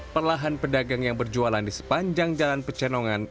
perlahan pedagang yang berjualan di sepanjang jalan pecenongan